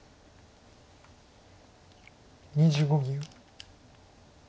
２５秒。